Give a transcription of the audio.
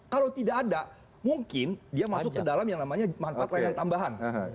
kalau tidak ada mungkin dia masuk ke dalam yang namanya manfaat layanan tambahan